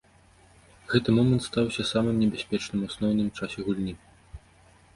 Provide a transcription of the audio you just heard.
Гэты момант стаўся самым небяспечным у асноўным часе гульні.